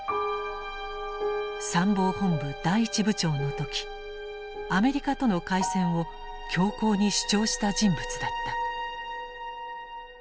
参謀本部第一部長の時アメリカとの開戦を強硬に主張した人物だった。